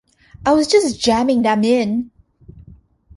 I was just jamming them in.